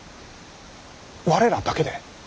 我らだけで？